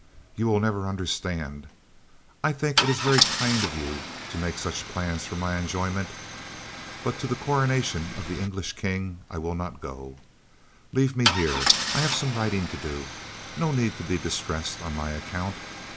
"You will never understand. I think it very kind of you to make such plans for my enjoyment, but to the Coronation of the English King I will not go. Leave me here I have some writing to do no need to be distressed on my account.